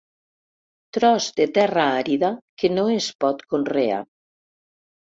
Tros de terra àrida que no es pot conrear.